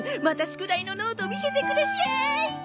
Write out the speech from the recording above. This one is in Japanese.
また宿題のノート見せてくだしゃい！